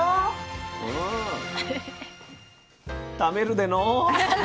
食べるでの。